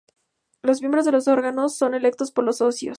Los miembros de los órganos son electos por los socios.